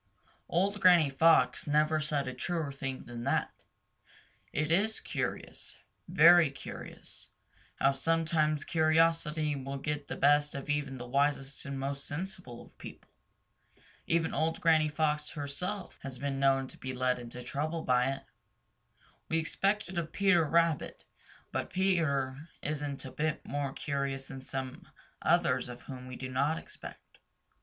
Old Granny Fox never said a truer thing than that. It is curious, very curious, how sometimes curiosity will get the best of even the wisest and most sensible of people. Even Old Granny Fox herself has been known to be led into trouble by it. We expect it of Peter Rabbit, but Peter isn't a bit more curious than some others of whom we do not expect it.